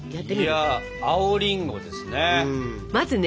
青りんごですね。